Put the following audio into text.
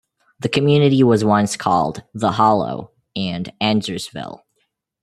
The community was once called "The Hollow" and "Andrusville".